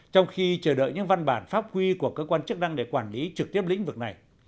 trong khi chờ đợi những văn bản pháp quy của cơ quan chức năng để quản lý trực tiếp lĩnh vực này